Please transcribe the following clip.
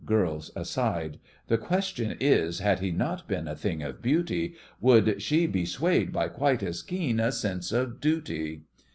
GIRLS: (aside): The question is, had he not been A thing of beauty, Would she be swayed by quite as keen A sense of duty?